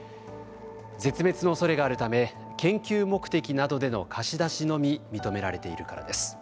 絶滅のおそれがあるため研究目的などでの貸し出しのみ認められているからです。